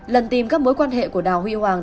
lần tìm các mối quan hệ của đào huy hoàng